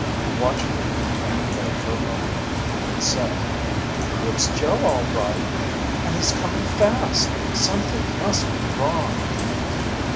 Watching the oncoming boat for a moment, Louise said: "It's Joe all right, and he's coming fast. Something must be wrong."